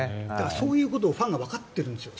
そういうことをファンがわかってるんですよ。